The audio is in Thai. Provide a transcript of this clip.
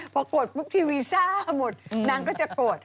พอกดปุ๊บทีวีซ่าหมดนางก็จะกด